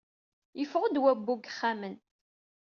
Yeffeɣ-d wabbu deg yixxamen.